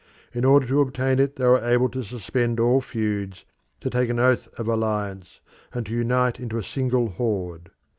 In order to obtain it they were able to suspend all feuds, to take an oath of alliance, and to unite into a single horde.